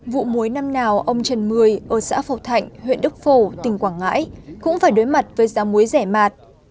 vụ muối năm nào ông trần mười ở xã phổ thạnh huyện đức phổ tỉnh quảng ngãi cũng phải đối mặt với giá muối rẻ mạt